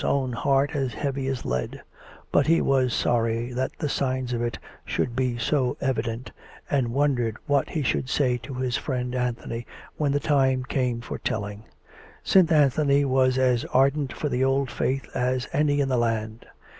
own heart as heavy as lead ; but he was sorry that the signs of it should be so evident, and wondered what he should say to his friend Anthony when the time came for telling; since Anthony was as ardent for the old Faith as any in the land.